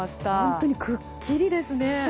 本当にくっきりですね。